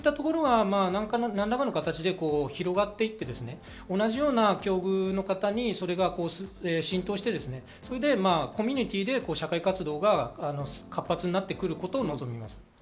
何らかの形で広がっていて、同じような境遇の方にそれが浸透してコミュニティーで社会活動が活発になってくることを望みます。